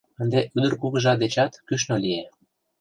Ынде ӱдыр кугыжа дечат кӱшнӧ лие.